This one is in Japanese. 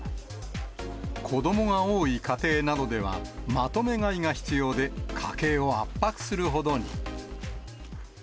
子どもが多い家庭などでは、まとめ買いが必要で、家計を圧迫するほどに。